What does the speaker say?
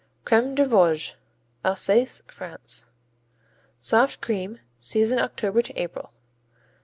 Crème des Vosges Alsace, France Soft cream. Season October to April.